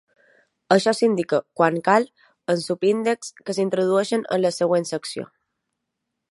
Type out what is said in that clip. Això s'indica, quan cal, amb subíndexs, que s'introdueixen en la següent secció.